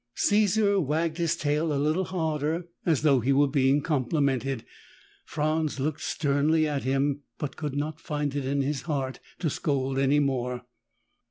Caesar wagged his tail a little harder, as though he were being complimented. Franz looked sternly at him, but could not find it in his heart to scold any more.